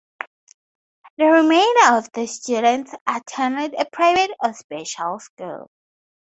The remainder of the students attended a private or special school.